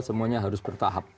semuanya harus bertahap